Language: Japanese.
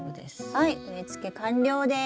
はい植えつけ完了です！